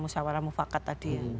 musyawarah mufakat tadi ya